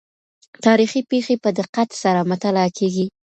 تاریخي پېښې په دقت سره مطالعه کیږي.